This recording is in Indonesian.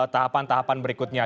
pada tahapan berikutnya